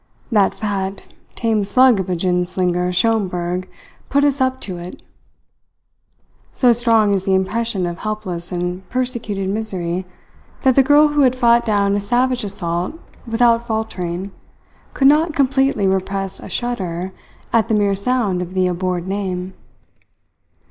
"That fat, tame slug of a gin slinger, Schomberg, put us up to it." So strong is the impression of helpless and persecuted misery, that the girl who had fought down a savage assault without faltering could not completely repress a shudder at the mere sound of the abhorred name.